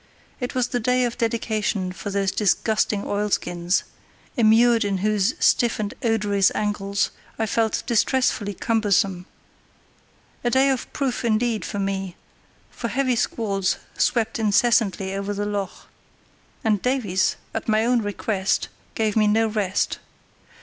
It was the day of dedication for those disgusting oilskins, immured in whose stiff and odorous angles, I felt distressfully cumbersome; a day of proof indeed for me, for heavy squalls swept incessantly over the loch, and Davies, at my own request, gave me no rest.